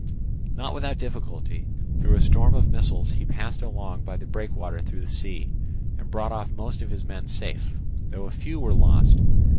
Not without difficulty, through a storm of missiles, he passed along by the breakwater through the sea, and brought off most of his men safe, though a few were lost.